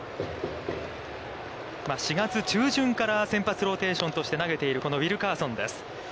４月中旬から先発ローテーションとして投げているこのウィルカーソンです。